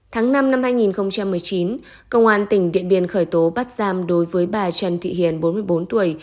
tháng năm năm hai nghìn một mươi chín công an tỉnh điện biên khởi tố bắt giam đối với bà trần thị hiền bốn mươi bốn tuổi